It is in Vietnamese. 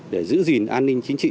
để giữ gìn an ninh chính trị